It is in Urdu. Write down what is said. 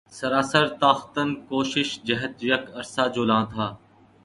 سراسر تاختن کو شش جہت یک عرصہ جولاں تھا